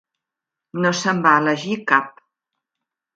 No se'n va elegir cap.